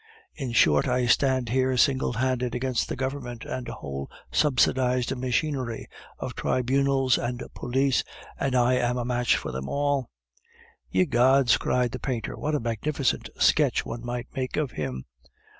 In short, I stand here single handed against a Government and a whole subsidized machinery of tribunals and police, and I am a match for them all." "Ye gods!" cried the painter, "what a magnificent sketch one might make of him!"